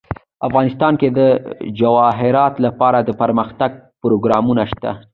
افغانستان کې د جواهرات لپاره دپرمختیا پروګرامونه شته.